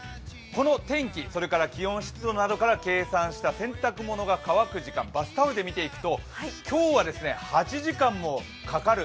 この天気、気温、湿度などから計算した洗濯物が乾く時間、バスタオルで見ていくと今日は８時間もかかる。